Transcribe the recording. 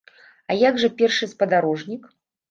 А як жа першы спадарожнік?